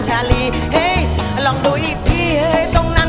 ผมจะทำให้เต็มที่นะครับในรอบหน้า